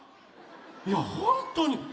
いやほんとに。